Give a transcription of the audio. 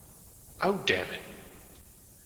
Oh, damn it!